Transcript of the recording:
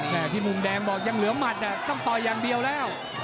ที่มุมแดงบอกยังเหลือหมัดต้องต่อยอย่างเดียวแล้ว